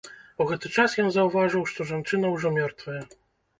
У гэты час ён заўважыў, што жанчына ўжо мёртвая.